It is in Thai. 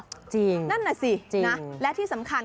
จริงจริงนั่นน่ะสิและที่สำคัญ